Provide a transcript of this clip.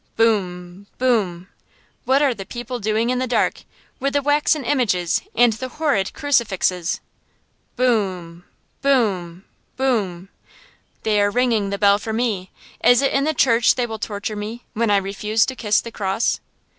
Boom, boom! What are the people doing in the dark, with the waxen images and the horrid crucifixes? Boom, boom, boom! They are ringing the bell for me. Is it in the church they will torture me, when I refuse to kiss the cross?